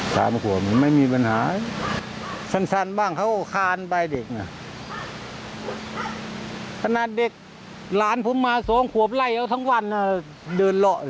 ครบครบครบครบครบครบครบครบครบครบครบครบครบครบครบครบครบครบ